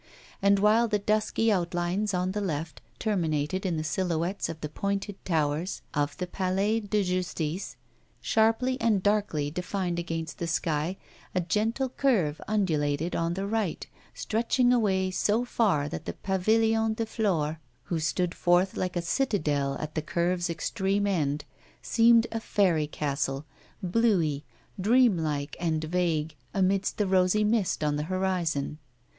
And while the dusky outlines on the left terminated in the silhouettes of the pointed towers of the Palais de Justice, sharply and darkly defined against the sky, a gentle curve undulated on the right, stretching away so far that the Pavillon de Flore, who stood forth like a citadel at the curve's extreme end, seemed a fairy castle, bluey, dreamlike and vague, amidst the rosy mist on the horizon.